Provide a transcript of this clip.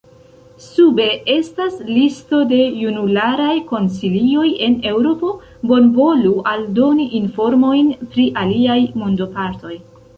Sube estas listo de junularaj konsilioj en Eŭropo, bonvolu aldoni informojn pri aliaj mondopartoj.